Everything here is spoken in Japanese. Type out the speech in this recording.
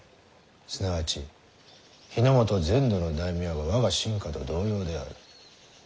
すなわち日ノ本全土の大名が我が臣下と同様である。